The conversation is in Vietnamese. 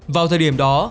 vào thời điểm đó